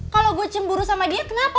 kalau gue cemburu sama dia kenapa